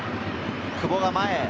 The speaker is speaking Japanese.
久保が前へ。